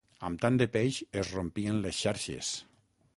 Amb tant de peix es rompien les xarxes.